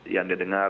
yang dia dengar